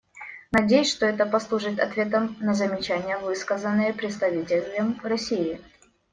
Надеюсь, что это послужит ответом на замечания, высказанные представителем России.